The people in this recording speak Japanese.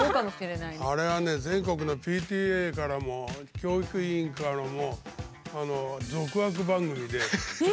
あれは全国のＰＴＡからも教育委員からも。